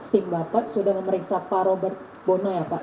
tim bapak sudah memeriksa pak robert bono ya pak